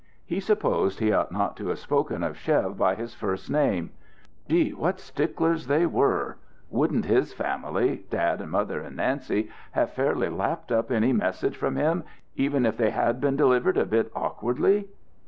He supposed he ought not to have spoken of Chev by his first name. Gee, what sticklers they were! Wouldn't his family dad and mother and Nancy have fairly lapped up any messages from him, even if they had been delivered a bit awkwardly?